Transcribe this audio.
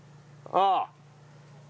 ああ。